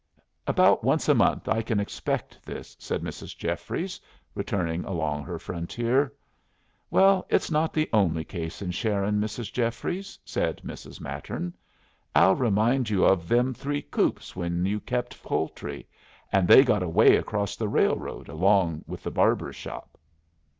"About once a month I can expect this," said Mrs. Jeffries, returning along her frontier. "Well, it's not the only case in Sharon, Mrs. Jeffries," said Mrs. Mattern. "I'll remind you of them three coops when you kept poultry, and they got away across the railroad, along with the barber's shop."